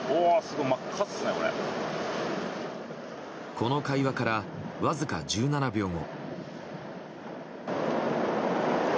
この会話からわずか１７秒後。